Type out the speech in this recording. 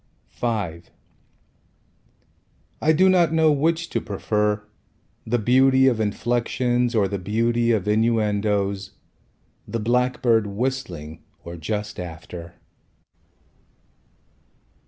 V I do not know which to prefer, The beauty of inflexions Or the beauty of innuendos, The blackbird whistling Or just after.